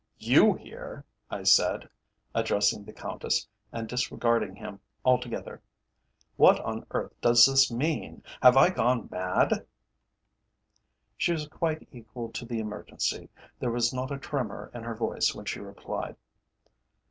"You here?" I said, addressing the Countess, and disregarding him altogether. "What on earth does this mean? Have I gone mad?" She was quite equal to the emergency. There was not a tremor in her voice when she replied.